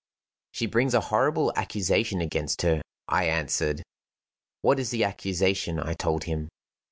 "She brings a horrible accusation against her," I answered. "What is the accusation?" I told him.